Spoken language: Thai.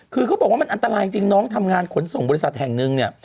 คือเขาบอกว่ามันอันตรายจริงน้องทำงานขนส่งบริษัทแห่งหนึ่งเนี่ย